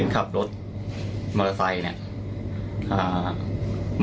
ก่อนนั้นนี่ได้รับแจ้งว่ามีเหตุ